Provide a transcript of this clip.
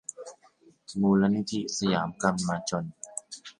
มูลนิธิสยามกัมมาจล